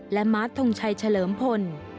และมาร์ททงชัยเฉลิมพล